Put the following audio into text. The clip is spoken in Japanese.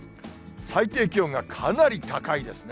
最低気温がかなり高いですね。